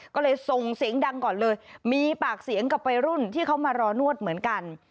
ก็เลยส่งเสียงดังก่อนเลยมีปากเสียงกับวัยรุ่นที่เขามารอนวดเหมือนกัน